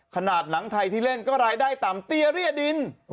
หนังไทยที่เล่นก็รายได้ต่ำเตี้ยเรียดิน